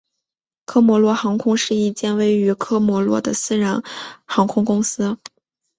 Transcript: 科摩罗航空是一间位于科摩罗的私人航空公司。